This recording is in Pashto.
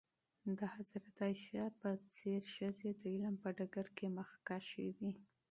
د حضرت عایشه په څېر ښځې د علم په ډګر کې مخکښې وې.